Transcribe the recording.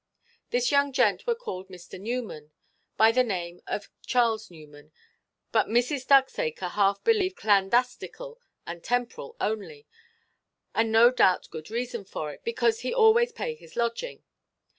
This young gent were called Mr. Newman, by the name of Charles Newman, but Mrs. Ducksacre half believe clandastical and temporal only, and no doubt good reason for it, because he always pay his lodging.